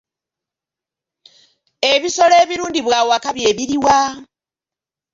Ebisolo ebirundibwa awaka bye biriwa?